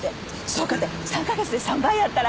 そうかて３カ月で３倍やったら。